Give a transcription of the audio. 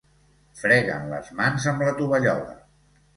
Freguen les mans amb la tovallola.